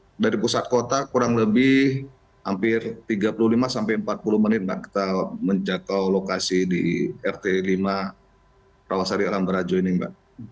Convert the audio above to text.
dan dari pusat kota kurang lebih hampir tiga puluh lima sampai empat puluh menit mbak kita menjaga lokasi di rt lima rawasari alam barajo ini mbak